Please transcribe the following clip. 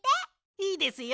いいですよ。